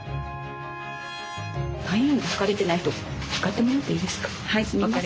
体温測れてない人測ってもらっていいですか。